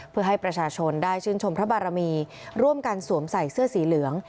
เพื่อให้ประชาชนได้ชื่นชมพระบารมีร่วมกันสวมใส่เสื้อสีเหลือง